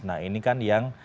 nah ini kan yang